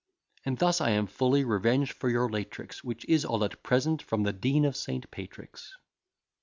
And thus I am fully revenged for your late tricks, Which is all at present from the DEAN OF ST. PATRICK'S.